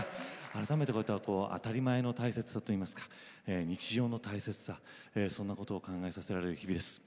改めて当たり前の大切さといいますか日常の大切さそんなことを考えさせられる日々です。